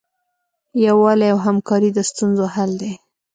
یووالی او همکاري د ستونزو حل دی.